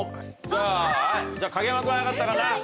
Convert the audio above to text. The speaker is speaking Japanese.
じゃあはい影山君早かったかな。